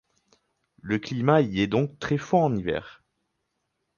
Le climat y est donc très froid en hiver.